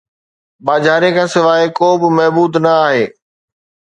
ٻاجھاري کان سواءِ ڪو به معبود نه آھي